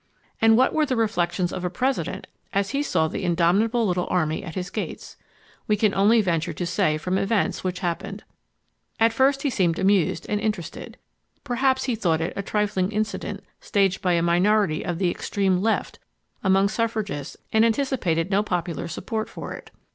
And what were the reflections of a President as he saw the indomitable little army at his gates? We can only venture to say from events which happened. At first he seemed amused and interested. Perhaps he thought it a trifling incident staged by a minority of the extreme "left" among suffragists and anticipated no popular support for it.